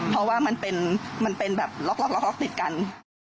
เพราะว่ามันเป็นแบบล็อกติดกัน